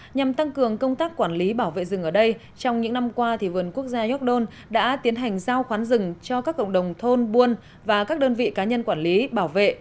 nhằm tăng cường công tác quản lý bảo vệ rừng ở đây trong những năm qua vườn quốc gia york don đã tiến hành giao khoán rừng cho các cộng đồng thôn buôn và các đơn vị cá nhân quản lý bảo vệ